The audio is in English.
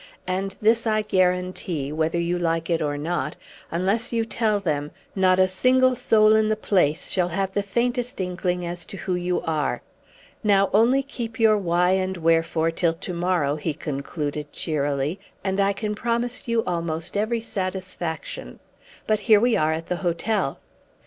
And this I guarantee whether you like it or not unless you tell them, not a single soul in the place shall have the faintest inkling as to who you are. Now, only keep your why and wherefore till to morrow," he concluded cheerily, "and I can promise you almost every satisfaction. But here we are at the hotel."